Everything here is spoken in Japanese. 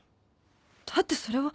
だってそれは。